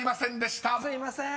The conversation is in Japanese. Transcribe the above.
すいません。